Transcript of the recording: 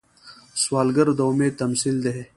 سوالګر د امید تمثیل دی